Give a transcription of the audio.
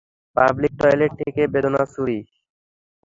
Public toilet থেকে বদনা চুরি।